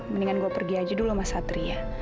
mendingan gue pergi aja dulu mas satria